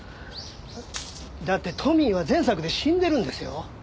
だってトミーは前作で死んでるんですよ。